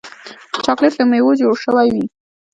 چاکلېټ له میوو جوړ شوی وي.